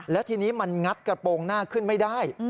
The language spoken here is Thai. แล้วทีนี้มันงัดกระโปรงหน้าขึ้นไม่ได้